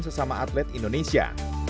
sesama atlet indonesia